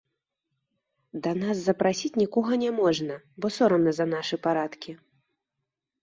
Да нас запрасіць нікога няможна, бо сорамна за нашы парадкі.